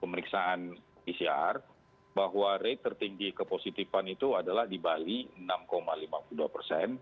pemeriksaan pcr bahwa rate tertinggi ke positifan itu adalah di bali enam lima puluh dua persen